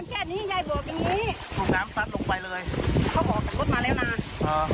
ยายบอกอย่างงี้ถูกน้ำตัดลงไปเลยเขาห่อจัดรถมาแล้วนานอ่า